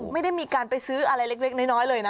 ไม่ได้มีการไปซื้ออะไรเล็กน้อยเลยนะ